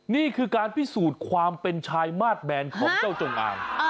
นี่คือการพิสูจน์ความเป็นชายมาสแมนของเจ้าจงอาง